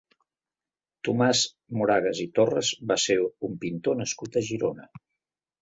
Tomàs Moragas i Torras va ser un pintor nascut a Girona.